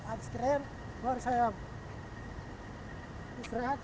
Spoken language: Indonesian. habis trail baru saya bergerak